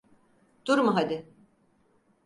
Durma hadi.